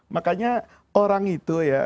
makanya orang itu ya